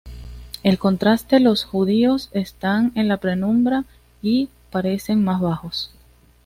En contraste, los judíos están en la penumbra y parecen más bajos.